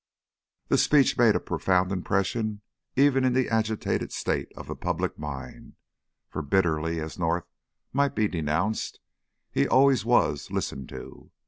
The speech made a profound impression even in the agitated state of the public mind, for bitterly as North might be denounced he always was listened to.